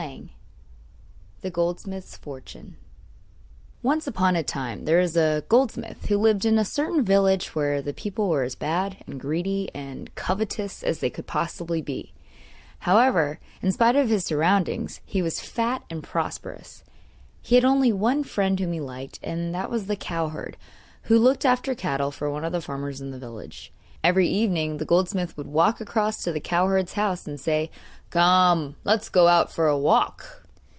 ] The Goldsmith's Fortune Once upon a time there was a goldsmith who lived in a certain village where the people were as bad and greedy, and covetous, as they could possibly be; however, in spite of his surroundings, he was fat and prosperous. He had only one friend whom he liked, and that was a cowherd, who looked after cattle for one of the farmers in the village. Every evening the goldsmith would walk across to the cowherd's house and say: 'Come, let's go out for a walk!